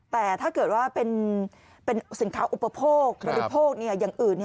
แต่ถ้าเกิดว่าเป็นสินค้าอุปโภคบริโภคอย่างอื่น